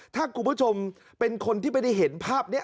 ถ้าคุณผู้ชมเป็นคนที่ไม่ได้เห็นภาพนี้